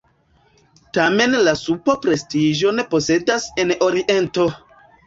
Tamen la supo prestiĝon posedas en Oriento.